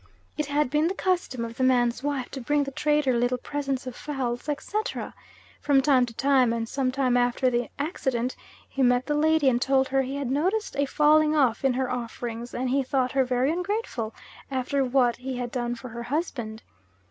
It had been the custom of the man's wife to bring the trader little presents of fowls, etc., from time to time, and some time after the accident he met the lady and told her he had noticed a falling off in her offerings and he thought her very ungrateful after what he had done for her husband.